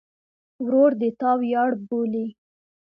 ورور د تا ویاړ بولې.